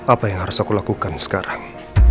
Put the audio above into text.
apa yang harus aku lakukan sekarang